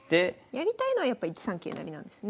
やりたいのはやっぱ１三桂成なんですね。